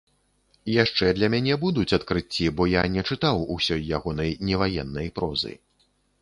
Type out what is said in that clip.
Яшчэ для мяне будуць адкрыцці, бо я не чытаў усёй ягонай неваеннай прозы.